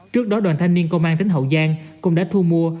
trước đó đoàn thanh niên công an tỉnh hậu giang cũng đã thu mua